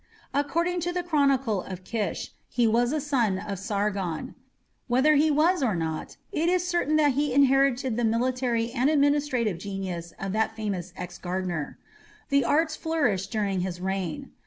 According to the Chronicle of Kish, he was a son of Sargon. Whether he was or not, it is certain that he inherited the military and administrative genius of that famous ex gardener. The arts flourished during his reign.